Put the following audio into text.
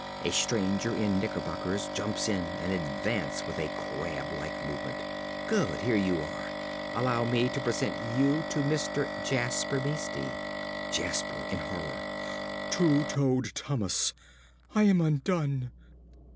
A stranger in knickerbockers jumps in and advances with a crab like movement._) Good! here you are. Allow me to present you to Mr. Jasper Beeste. ~Jasper~ (in horror). Two toed Thomas! I am undone!